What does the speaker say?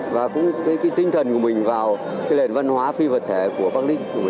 và cũng cái tinh thần của mình vào cái nền văn hóa phi vật thể của bắc ninh